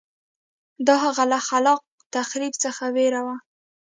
دا هغه له خلاق تخریب څخه وېره وه